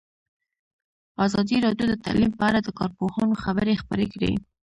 ازادي راډیو د تعلیم په اړه د کارپوهانو خبرې خپرې کړي.